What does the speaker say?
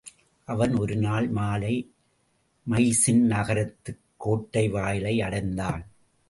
அவன் ஒரு நாள் மாலை மைசீன் நகரத்துக் கோட்டை வாயிலை அடைந்தான்.